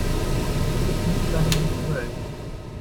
Es entspricht nicht seinem Naturell.